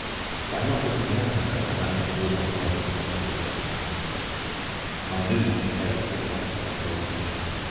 By not looking down, however, I managed to walk on the level passably well. "My mood, I say, was one of exaltation.